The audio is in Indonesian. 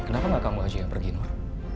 kenapa gak kamu haji yang pergi nur